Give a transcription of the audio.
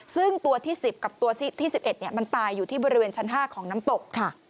ซึ่งตัวที่๑๐กับตัวที่๑๑มันตายอยู่ที่บริเวณชั้น๕ของน้ำตกค่ะ